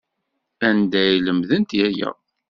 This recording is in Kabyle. Anda ay lemdent aya?